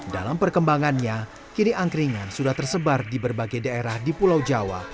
dalam perkembangannya kini angkringan sudah tersebar di berbagai daerah di pulau jawa